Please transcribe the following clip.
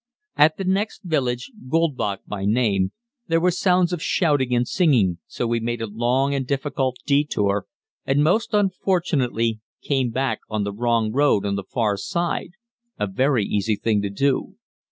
At the next village, Goldbach by name, there were sounds of shouting and singing, so we made a long and difficult detour and most unfortunately came back on the wrong road on the far side a very easy thing to do.